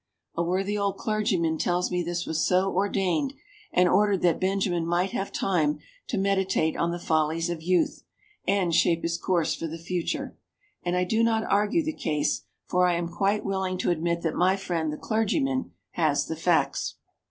A worthy old clergyman tells me this was so ordained and ordered that Benjamin might have time to meditate on the follies of youth and shape his course for the future, and I do not argue the case, for I am quite willing to admit that my friend, the clergyman, has the facts.